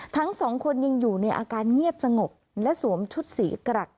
ทั้งสองคนยังอยู่ในอาการเงียบสงบและสวมชุดสีกรัก